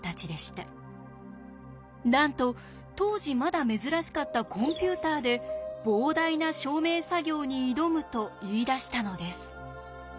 なんと当時まだ珍しかったコンピューターで膨大な証明作業に挑むと言いだしたのです。